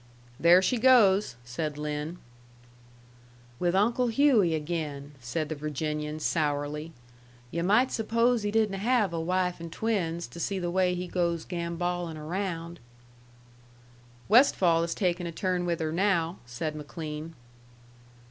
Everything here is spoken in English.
"There she goes," said Lin. "With Uncle Hughey again," said the Virginian, sourly. "Yu' might suppose he didn't have a wife and twins, to see the way he goes gambollin' around." "Westfall is takin' a turn with her now," said McLean.